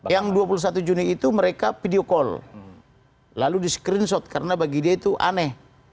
yang dua puluh satu juni itu mereka video call lalu di screenshot karena bagi dia itu aneh